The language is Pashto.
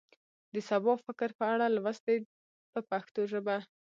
د سبا فکر په اړه لوست دی په پښتو ژبه.